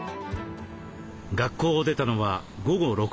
学校を出たのは午後６時すぎ。